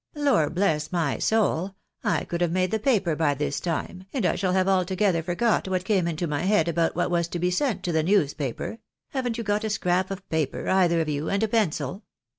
" Lor bless my soul, I could have made the paper by this time, and I shall have altogether forgot what came into my head about what was to be sent to the newspaper — haven't you got a scrap of paper either of you, and a pencil?